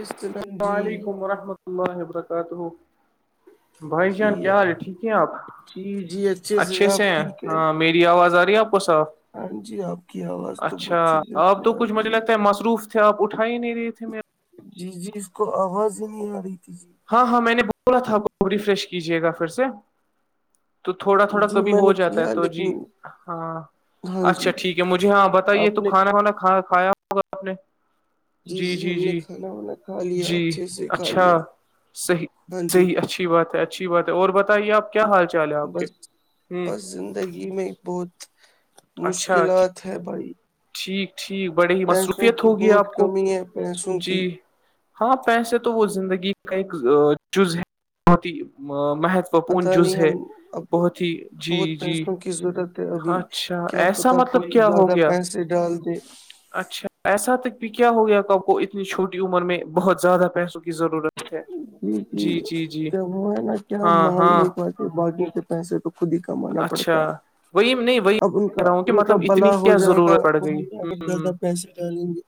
السلام علیکم ورحمۃ اللہ و برکاتہ بھائی جی جان کیا حال ہے ٹھیک ہیں آپ جی جی اچھے آپ سے ہیں ٹھیک ہے ہاں میری آواز آ رہی ہے آپ کو صاف ہاں جی آپ کی آواز تو بت اچھا چیز پ آپ تو آ کچھ رہی مجھے ہے لگتا مصروف آپ اٹا ہی نہیں رہے تھے میںیر جی جی اس کو آواز ہی نہیں آ رہی تھی جی ہاں ہاں میں نے بولا تھا ریفریش کیجیے گا پھر سے تو تھوڑا تھوڑا جی کبھی میں ہو نے جاتا ہے کیا تو جی لیکن ہاں ہاں اچھا جی ٹھیک ہے مجھے ہاں بتائیے آپ تو نے کھانا وانا کھ کھایا ہوگا آپ نے جی جی ہم نے جی کھانا وانا کھا لیا جی اچھے سے کھا اچھا لیا صحیح ہاں جی صحیح اچھی بات ہے اچھی بات ہے اور بتائیے آپ کیا حال چال ہے آپ کے بس ہ بس زندگی میں بہت اچھا ٹھیک مشکلات ہے بھائی ٹھیک ٹھیک بڑی ہی پیسوں مصروفیت کی ہوگی بہت آپ کو کمی ہے پیسوں جی کی ہاں پیسے تو وہ زندگی کا ایک جز ہے بہت ہی مہت پت فپون جز نہیں ہے ہم اب بہت ہی جی بہت جی پیسوں کی ضرورت ہے ہاں ابھی اچھا اچا ایسا مطلب کیا ہو گیا سے ڈالتی اچھا ایسا تک کہ کیا ہو گیا تو آپ کو اتنی چھوٹی عمر میں بہت زیادہ پیسوں کی ضرورت ہے کہ جی جی جی کیا وہ ہے نا کیا ہاں مانگ ہاں نہیں پاتے باقی کے پیسے تو خود ہی انا اچھا پڑتا ہے وہی نہیں وہی اب ان کا کہہ رہا ہوں کہ ان کا مطلب اتنی بلا ہو کیا جائے گا ضرورت پڑ وہ گئی ہمیں ہ اگر ہ زیادہ پیسے ڈٹا لیں گے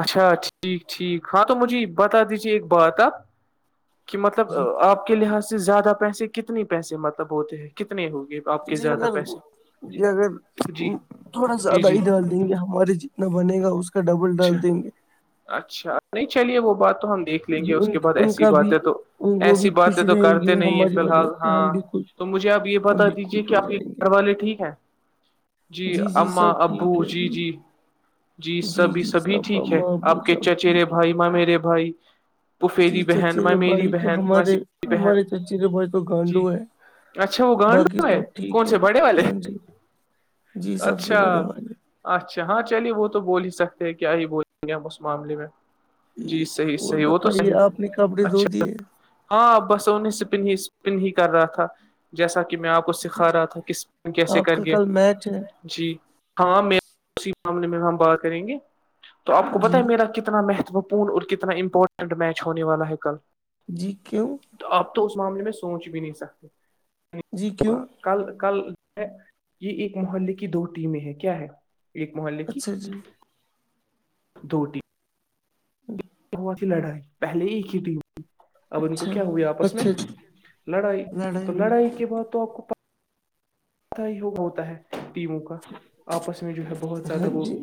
اچھا ٹھیک ٹھیک ہاں تو مجھے بتا دیجیے ایک بات آپ کہ مطلب جی آپ کے لحاظ سے زیادہ پیسے کتنے پیسے مطلب ہوتے ہیں کتنے ہوگے جی اگر جی اگر جی تھوڑا سا جی ادہ جی ادار دیں گے ہمارے جتنا بنے گا اس کا ڈبل ڈال اچھا دیں گے اچھا نہیں چلیے وہ بات تو ہم دیکھ لیں گے جی اس ان کے بعد ان ایسی کا بھی باتیں تو وہ ایسی بھی باتیں خوش تو رہیں کرتے گے نہیں ہیں ہماری فی وجہ الحال سے ہم ہاں بھی خوش تو مجھے آپ یہ ہم بتا بھی دیجیے خوش کہ ہو آپ کے جائیں گے گھر والے ٹھیک ہیں جی اماں ابو جی جی جی سبھی جی سبھی صحبہ ٹھیک ہے محبو آپ کے صاح چچیرے ٹھیک ہے بھائی ماں میرے بھائی جی پفیری بہن میں چچیرے میری بھائی تو بہن میں ہمارے بہن ہمارے چچیرے بھائی تو جی گانڈو ہے اچھا وہ باقی گانڈو ہے سب ٹھیک کون ہے سے بڑے والے ہاں جی جی سب سے بڑے اچھا والے اچھا ہاں چلیے وہ تو بول ہی سکتے ہیں کیا ہی بولیں گے ہم اس معاملے میں جی صحیح اور صحیح وہ تو بتائیے آپ نے صحیح کپڑے دھو اچھا دیے ہاں بس انہیں سپن ہی سپن ہی کر رہا تھا جیسا کہ میں آپ کو سکھا رہا تھا کس کیسے آپ کر کا گیا کل میچ ہے ہوں جی ہاں میں اسی معاملے میں ہم بات کریں گے تو آپ کو پت جی ہے میرا کتنا مہتو اور کتنا امپورٹنٹ میچ ہونے والا ہے کل جی کیوں تو آپ تو اس معاملے میں سوچ بھی نہیں سکتے جی کیوں ہوگا کل کل یہ ایک محلے کی دو ٹیمیں ہے کیا ہے ایک محلے کی ج جی [unintelligible] دوٹی ہ ہوا تھی لڑائی پہلے ہی ایک ہی ٹیم اب ان کو اچھا کیا ہوا آپس میں اچھا جی لڑائی تو ہوئی لڑائی تھی؟ کے بعد تو آپ کو پتا ہی ہوگ ہوتا ہے ٹیموں کا آپس میں جو ہے بہت ہاں زیادہ وہ جی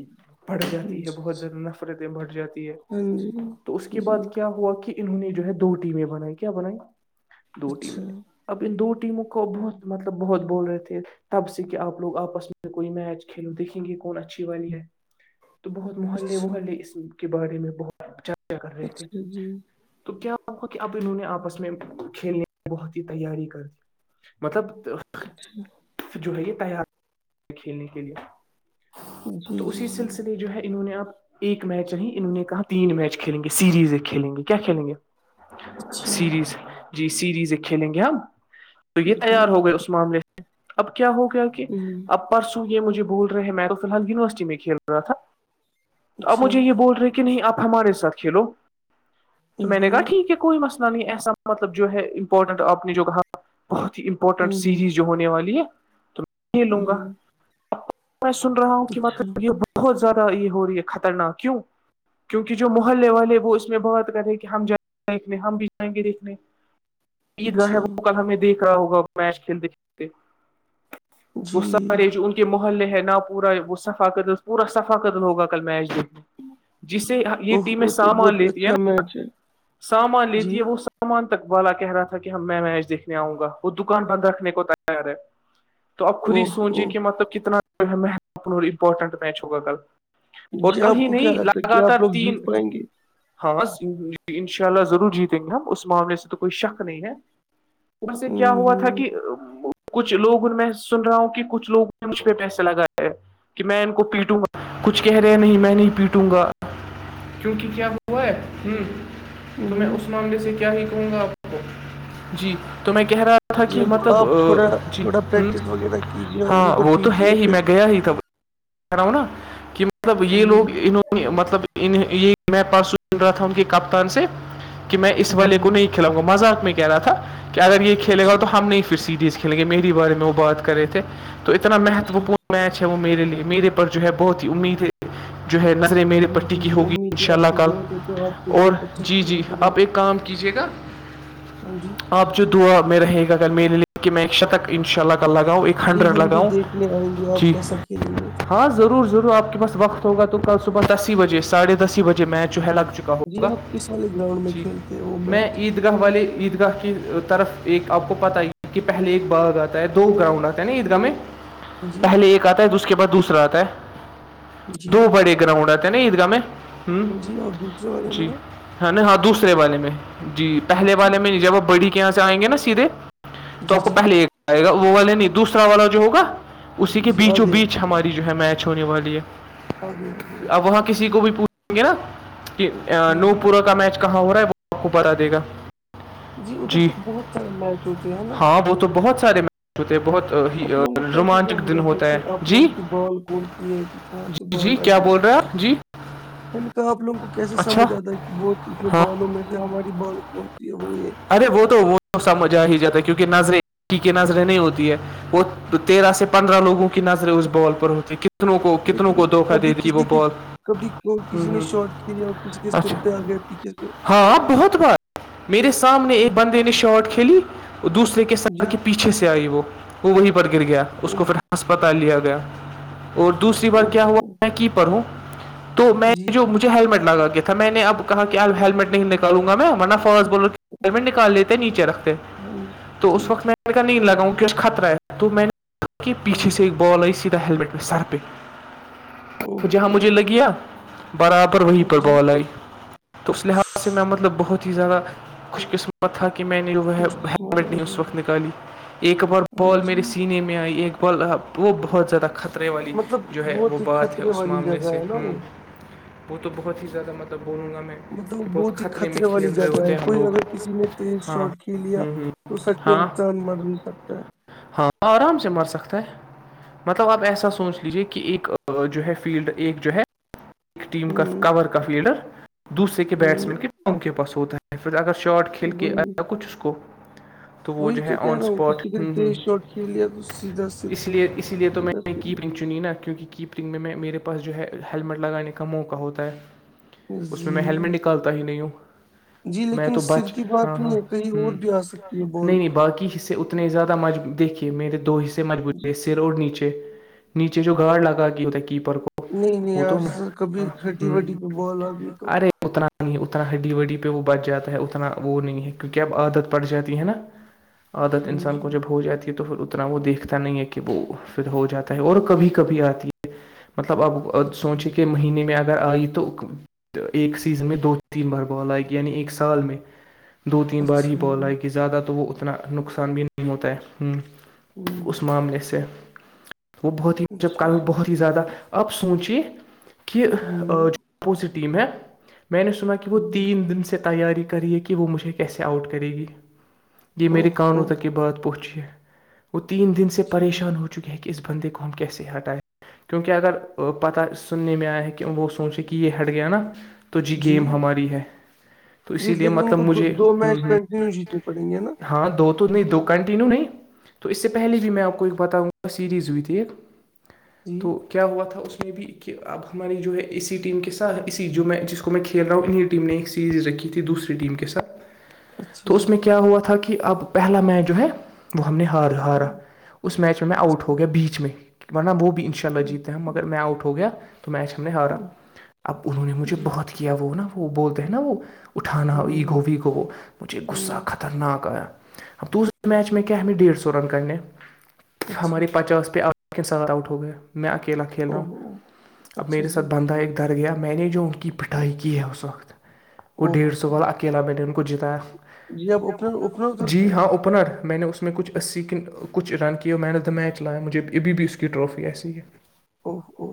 بڑھ جی جاتی ہے بہت جی زیادہ نف فرتیں بٹ جاتی ہے ہاں جی تو اس کے جی بعد کیا ہوا کہ انہوں نے جو ہے دو ٹیمیں بنائی کیا بنائی دو اچھا ٹیمیں اب ان دو ٹیموں کو بہت مطلب بہت بول رہے تھے تب سے کہ آپ لوگ آپس میں کوئی میچ کھیلو دیکھیں گے کون اچھی والی ہے تو بہت محلے اچھا محلے اس کے بارے میں بہت چاچا کر رہے تھے اچھا جی تو کیا کہ اب انہوں نے آپس میں کھیلنے کی بہت ہی تیاری کر دی مطلب اچھا جو ہے یہ تیار کھیلنے کے لیے جی تو جی اسی جی سلسلے جو ہے انہوں نے آپ ایک میچ نہیں انہوں نے کہا تین میچ کھیلیں گے سیریز کھیلیں گے کیا کھیلیں گے اچھا سیریز جی سیریز ایک کھیلیں گے ہم تو یہ جی تیار ہو گئے اس معامل سے اب کیا ہو گیا کہ ہوں اب پرسوں یہ مجھے بول رہے ہیں میں تو فیحال یونیورسٹی میں کھیل رہ رہا تھا تو آپ اچھا مجھے یہ بول رہے کہ نہیں آپ ہمارے ساتھ کھیلو تو ہوں میں نے کہا ہوں ٹھیک ہے کوئی مسئلہ نہیں ایسا مطلب جو ہے امپورٹنٹ آپ نے جو کہااں بہت ہی مپورٹنٹ سیریز جو ہونے والی ہے تو میں کھیلوں گا ہوں اب میں سن رہا ہوں کہ اچھا مطلب یہ بہت زیادہ یہ ہو رہی ہے خطرناک کیوں کیوںہ جو محلے والے وہ اسس میں بات کر رہے کہ ہم جائیں دنے ہم بھی جائیں گے دیککھنے عید رہ ہے اچھا وہ کل ہمیں دیکھ رہا ہوگا میچ کھیلتے کھیلتے وہ جی سارے جو ان کے محلے ہے نہ پورا وہ فقت پورا ثفاقتل ہوگا کل میچ دیکھنے جسے یہ اوہ ٹیمیں او تو سامان بہت لیتی ہے اچھا نا میچ ہے سامان لیتی جی ہے وہ سب ان تکوالا کہہ رہا تھا کہ ہم میں میچ دیکھنے آؤں گا وہ دکان بند رکھنے کو تیار ہے تو آپ خود ہی اوہ سوجیے اوہ کہ مطلب کتنا جو ہے اپ امپورٹنٹ میچ ہوگا کل اور جی آپ کہیں کو کیا نہیں لگتا ہے کہ لگاتار آپ لوگ تین جیت پائیں گے ہاں ان شاء اللہ ضرور جیتیں گے ہم اس معاملے سے تو کوئی شک نہیں ہے اس سے کیا ہوں ہوا تھا ہوں کہ کچھ لوگوں میں سن رہا ہوں کہ کچھ لوگوں نے مجھ پہ پیسے لگایا ہے کہ میں ان کو پیٹوں گا کچھ کہہ رہے نہیں میں نہیں پیٹوں گا کیونکہ کیا وہ ہے ہوں تو میں ہوں اس معاملے سے کیا نہیں کہوں گا آپ کو جی تو میں کہہ رہا تھا جی کہ اب مطلب آپ تھوڑا جی تھوڑا ہ پریکٹس وغیرہ کیجیے اب ان ہاں کو وہ تو ہے پیٹیے ہی پھر میں گ گیا ہی تھا کہ رہا ہوں نا کہ مطلب یہ لوگ ہوں انہوں نے مطلب یہ میں پرارسو سن رہا تھا ان کے کپتان سے کہ میں اس والے ہوں کو نہیں کھیلوں گ کو مذاق میں کہ رہا تھا کہ اگر یہ کھیل گا اچھا تو ہم نہیں پھر سیریز کے ل کہ میری بارے میں وہ بات کر رہے تھے تو اتنا اچھا مہتوپورن میچ ہے وہ میرے لیے میرے پر جو ہے بہت ہی امید ہے جو ہے نظریں میرے جی پٹی جی کی جی ہوگی ان امید ہے شاء اللہ آپ کو کل بہت ہے تو آپ کو اور بہت اچھا جی جی کھیلنا پڑے آپ گا ایک کام کیجیے گا ہاں جی آپ جو دعا میں رہے گا اگر میرے لیے کہ میں ایک شتک انشاء اللہ لگاؤ ایک یہ ہنڈریڈ ہم بھی لگاؤ دیکھنے آئیں گے آپ جی کیسا کھیلیں گے ہاں ضرور ضرور آپ کے پس وقت ہوگا تو کل صبح دس ہی بجے ساھے دس ہی بجے می چ ہے لگ چک ہے جی ہوگا آپ کس والے گراؤنڈ میں جی کھیلتے ہیں وہ میں میچ عید عید گاہ والے عیدگاہ کی طرف ایک آپ کو پت ہی ہے کہ پہلے ایک باغ آتا ہے دو گراؤنڈ آتا نا ادھر میں جی پہلے ایک آتا ہے تو اس کے بعد دوسرا آتا ہے جی دو بڑے گراؤنڈ آتے ہیں نا عید گاہ میں ہ ہاں جی اور دوسرے والے جی میں ہے نا ہاں دوسرے والے میں جی پہے اچھا والے میں جی جب بڑی کے یہاں سے آئیں گے نا سیدھے تو جی آپ کو جی پہلے ایک آئے گا وہ والا نہیں دوسرا والا جو ہوگا اسی جی کے جی آ بیچوں گیا بیچ سمجھ ہماری جو ہے میچ ہونے والی ہے آ گیا آ گیا جی اب وہاں کسی کو بھی پوچھیں گے نا کہ ہاں نو جی پورو کا میچ کہاں ہو رہا ہے وہ آپ کو بتا دے گا جی ادھر تو بہت سارے میچ ہوتے ہیں نا ہاں وہ تو بہت سارے ہوتے بہت ہی آپ لوگوں کو کیسے رومانچک سمجھ دن آتا ہوتا ہے کہ آپ جی لوگوں کی بال کون سی ہے کہ کہاں سے جی جی بال آ کیا گئی بول رہے ہیں آپ جی میں نے کہا آپ لوگوں کو کیسے اچھا سمجھ آتا ہے کہ بہت اتنے ہاں بالوں میں سے ہماری بال کون سی ہے وہ یہ ارے وہ تو وہ سمج آ ہی جاتا ہے کیونکہ نظریں ایک کی نظریں نہیں ہوتی ہے وہ تیرہ سے پندرہ لوگوں کی نظریں اس بول پر ہوتی ک کتنوں کو دھوکا دیتی وہ بہت کبڈی کسی نے شارٹ کھیل اور کسی کے سر اچھا پہ آ گیا پیچھے سے ہاں بہت بار میرے سامنے ایک بندے نے شارٹ کھیلی اور دوسرے کے سر جی کے پیچھے سے آئی وہ وہ وہیں پر گر گیا اس کو اوہ پھر ہسپتال لیا گیا اور دوسری بار اوہ کیا ہوا اوہ میں کیپر ھوں تو میں جی جو مجھے ہیللمٹ لگایا تھا میں نے اب کہ آب ہیللمٹ نہیں نکالوں گا میں ورنہ فاس بولر نکال لیتے نیچے رکھتے ہاں تو جی اس وقت میں نہیں لگاؤوں کہ خطرہ ہے تو میں نے کہ پیچھے ہوں سے ایک بال آئی سیدھا ہیلمٹ کے سر پہ اوہ جہاں مجھے اوہ لگی اب برابر وہیں ہاں پر جی بال آئی تو اس لحاظ سے میں مطلب بہت ہی زیادہ خوش قسمت تھا کہ میں نے خوش قسمت ہیلمٹ نہیں اس آدمی وقت ہے نکالی ایکبار ہاں بال جی میرے سینے میں ایک بال وہ بہت زیادہ ختم خطرے والی مطلب جو ہے وہ بہت ہی بات ہے خطرے اس والی معاملے جگہ سے ہے نا وہ وہ تو بہت ہی زیادہ مطلب بولوں گا میں مطلب کہ بہت ہی میں خطرے والی کھیل رہے جگہ ہوتے ہے ہیں ہم کوئی لوگ اگر کسی نے تیز ہاں شاٹ کھی لیا تو سچ میں ہاں انسان مر بھی سکتا ہے ہاں آرام سے مر سکتا ہے مطلب آپ ایسا سوچ لیجیے کہ ایک جو ہے فیلڈ ایک جو ہے ایک ٹیم کا ہوں کور کا لیڈر دوسرے کے ہوں بیٹسمین کی بس اگر شاٹ کھیل کے وہی آیا کچھ اس کو تو وہ وہی جو ہے آن کہہ رہا ہوں اسپاٹ کسی نے ہ ہ تیز شاٹ کھیل لیا تو سیدھا سر اس لیے اس لیے تو سیدھا میں سر کیپنگ چو نا کیونکہ کیپرنگ میں میرے پاس جو ہے ہیللمٹ لگانے کا موقع ہوتا ہے اس میں میں جی ہیللمٹ نکالتا ہی نہیں ہوں جی میں لیکن تو سر بچ کی ہاں بات نہیں ہاں ہے کہیں ہوں اور بھی آ سکتی ہے بال نہیں نہیں باقی ح اتنے زیادہ مج دیکھیے میرے دو حصے مجبو سر اور نیچے نیچے جو گارڑ لگا گے ہوتا ہے کیپر کو نہیں نہیں وہ تو یار سر کبھی ہڈی ہوں وڈی پہ بال آگئی تو ارے اتنا نہیں اتنا ہڈ وڈی پہ وہ بچ جاتا ہے اتنا وہ نہیں ہے کیونکہ اب عادت پڑ جاتی ہے نا عادت ہاں انسان کو جی جب ہو جاتی ہے تو پھر اتنا وہ دیکھتا نہیں ہے کہ وہ پھر ہو جاتا ہے اور کبھی کبھی آتی ہے مطلب اب سوچیے کہ مہینے میں اگر آئی تو ایک سیزن میں دو تین بار بال آئے یعنی ایک سال میں دو تین بار ہی اچھا بول جی ایگی زیادہ تو وہ اتنا نقصان بھی نہیں ہوتا ہے ہوں اس معاملے سے وہ بہت ہی جب اچھا کل جی بہت ہی زیادہ آپ سوچے کہ جو ہوں اپوزٹ ٹیم ہے میں نے سنا کہ وہ ہوں تین دن سے تیاری کریے کہ وہ مجھے کیسے آؤٹ کرے گی یہ میرے اوہ کانوں اوہ تک یہ بات پہنچی ہے وہ تین دن سے جی پریشان ہو چکے ہے کہ اس بندے کو ہم کیسے ہٹائائے کیونکہ اگر پتاہ سننے میں آئے کہ ب سونچ کہ یہ ہیٹ گیا نا تو جی گیم ہماری ہے تو جی اسی لیے لیکن ان مطلب کو دو مجھے دو میچ ہ ہ کنٹینیو جیتنے پڑیں گے نا ہاں دو تو نہیں دو کنٹیینیو نہیں تو اس سے پہلے بھی میں آپ کو ایک بتاؤں گا سیریز ہوئی تھی ایک جی تو کیا ہوا تھا اس میں بھی کہ اب ہماری جو ہے اسی ٹیم کے سات اسی جو میں جس کو میں کھیل رہا ہوں انہیں ٹیم نے ایک سیریز رکھی تھی دوسری ٹیم کے ساتھ اچھا تو اس جی میں کیا ہوا تھا کہ اب پہلا میچ جو ہے وہ ہم نے ہار ہارا اس میچ میں میں آؤٹ اچھا ہو گیا بیچ میں ورنہ وہ بھی ان شاء اللہ جیتے ہیں مگر میں آؤٹ ہو گیا میچ ہم نے ہارا اب انہوں نے مجھے جی بہت کیا وہ نا وہ بولتے ہیں نا وہ اٹھانا ہوں ایگو ویگو مجھے غصہ ہوں خطرناک آیا اب دوسرا میچ اچھا میں کیا ہمیں ڈیڑھ سو رن کرنے اچھا ہمارے پچاس پہ آ کے ساتھ آؤٹ ہو گیا میں اکیلا کھیل رہا اوہ ہوں اوہ، اب اچھا میرے جی ساتھ بندھا ایک د گیا میں نے جو ان کی پٹائی کی ہے اس وقت وہ اوہ ڈیڑھ سو والا کھیلا میں نے ان کو جتایا جی آپ اوپنر اوپنر جی اترتے ہیں ہاں اوپنر میں نے اس میں میں کچھ اسی کچھ رن کی مین آف دا میچ لایا مجھے ابھی بھی اس کی ٹرافی ایسی ہے اوہ او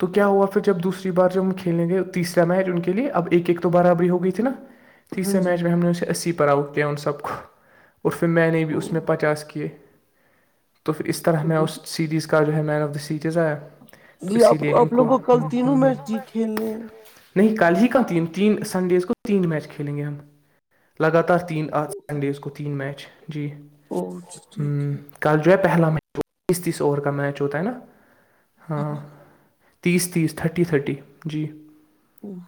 تو کیا ہوا پھر جب دوسری بار جو ہم کھیلیں گے تیسرا میچ ان کے لیے اب ایک ایک تو برابری ہو گئی تھی نا ٹھیک سر ہاں جی میچ میں ہم نے انے اسی پ اٹتے ان سب کو اور پھر میں نے بھی او اس میں پچاس کیے تو پھر اس اس طرح تو ہمیں اس بولی سیریز کا جو ہے مین آف دا سیریز آیا تو جی اسی آپ لیے ان آپ لوگ کو کل تینوں میچ جی کھیلنے ہیں نہیں کل ہی کا تین تین سنڈیز کو تین میچ کھیلیں گے ہم لگاتار تین آ سنڈیز کو تین میچ جی اور ہ ٹھیک ہے کل جو ہے پہلا م تس تیس اوور کا میچ ہوتا ہے نا ہاں کتنے کا تیس تیس تھرٹی تھرٹی جی وہ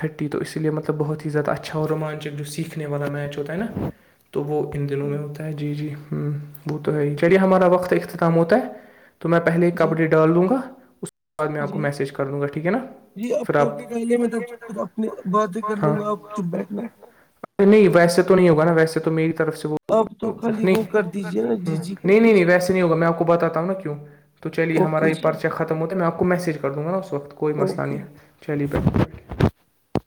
تھرٹی تو اسی لیے مطلب بہت ہی زیادہ اچھا اور رومانچک جو سیکھنے والا میچ ہوتاائ نا تو وہ ان دنوں میں ہوتا ہے جی جی ہ وہ تو ہے ہی چلیے ہمارا وقت اختتام ہوتا ہے تو میں پہلے جی کپڈی ڈال دوں گا اس کے بعد میں آپ کو جی میسیج کر دوں گا ٹھیک ہے نا پھر آپ پہے میں تب خود اپنی باتیں کر ہاں لوں گا آپ چپ بیٹھنا نہیں ویسے تو نہیں ہوگا نا ویسے تو میری طرف سے وہ آپ تو خالی نہیں وہ کر دیجیے نا جی جی کر نہیں نہیں نہیں دیجیے ویسے نہیں ہوا میں آ کو بتاتا ہوں نا کیوں تو چلیے ہمارا اوکے یہ جی پرچہ ختم ہوتا ہے میں آپ کو میسج کر دوں گا نا اس وقت کوئی مسئلہ نہیں اوکے ہے چلی پئے